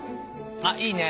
あっいいね。